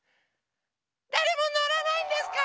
だれものらないんですか？